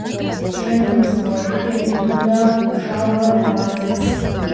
შენობის პროექტი ეკუთვნოდა შალვა თავაძეს.